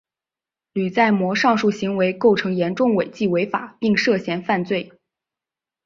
吕在模上述行为构成严重违纪违法并涉嫌犯罪。